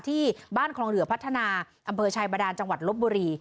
ที่บ้านคลองเหลือพัฒนาอำเภอชายบาดานจังหวัดลบบุรี